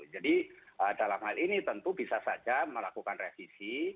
dalam hal ini tentu bisa saja melakukan revisi